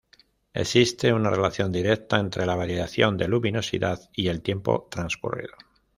Existe una relación directa entre la variación de luminosidad y el tiempo transcurrido.